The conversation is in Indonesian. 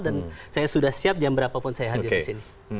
dan saya sudah siap jam berapa pun saya hadir disini